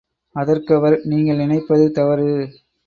அதற்கு அவர், நீங்கள் நினைப்பது தவறு.